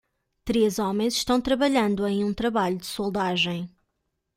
Três homens estão trabalhando em um trabalho de soldagem.